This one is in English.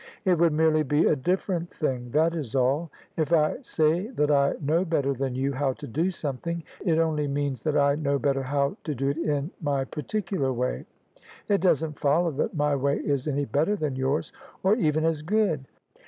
It would merely be a different thing; that is all. If I say that I know better than you how to do something, it only means that I know better how to do it in my particular way. It doesn't follow that my way is any better than yours— or even as good."